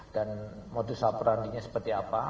dan modus operandinya seperti apa